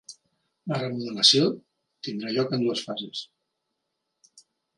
La remodelació tindrà lloc en dues fases.